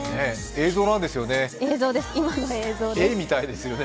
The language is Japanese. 映像なんですよね。